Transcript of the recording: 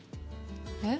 えっ？